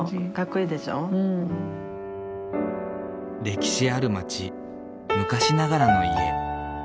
歴史ある町昔ながらの家。